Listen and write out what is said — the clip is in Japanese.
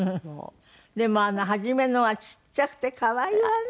でもあの初めのはちっちゃくて可愛いわね！